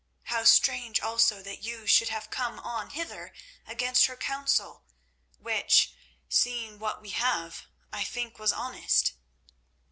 How strange also that you should have come on hither against her counsel, which, seeing what we have, I think was honest?"